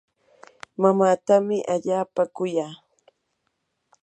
mamaatami allaapa kuya.